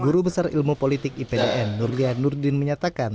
guru besar ilmu politik ipdn nurlia nurdin menyatakan